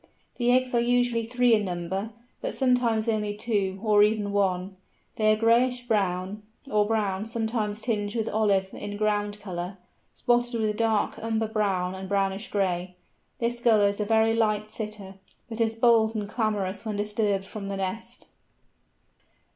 The eggs are usually three in number, but sometimes only two, or even one. They are grayish brown, or brown sometimes tinged with olive in ground colour, spotted with dark umber brown and brownish gray. This Gull is a very light sitter, but is bold and clamorous when disturbed from the nest.